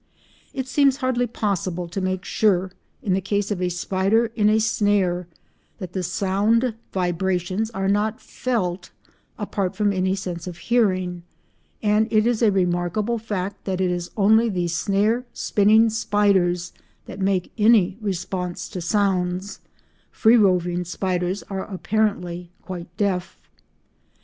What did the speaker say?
It seems hardly possible to make sure, in the case of a spider in a snare, that the sound vibrations are not felt, apart from any sense of hearing, and it is a remarkable fact that it is only the snare spinning spiders that make any response to sounds:—free roving spiders are apparently quite deaf.